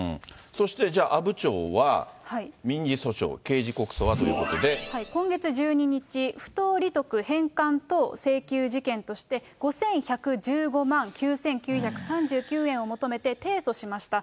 そしてじゃあ、阿武町は、民事訴訟、今月１２日、不当利得返還等請求事件として、５１１５万９９３９円を求めて提訴しました。